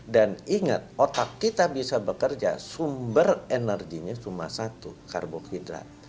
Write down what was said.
dan ingat otak kita bisa bekerja sumber energinya cuma satu karbohidrat